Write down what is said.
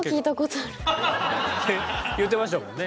言ってましたもんね。